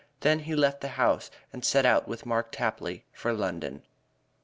Then he left the house and set out with Mark Tapley for London.